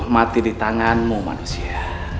mati di tanganmu manusia